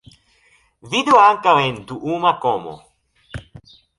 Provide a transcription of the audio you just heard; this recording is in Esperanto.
Vidu ankaŭ en duuma komo.